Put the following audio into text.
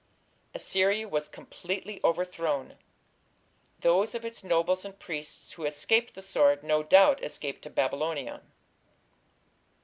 Assyria was completely overthrown. Those of its nobles and priests who escaped the sword no doubt escaped to Babylonia.